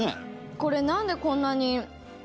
これなんでこんなに合うの？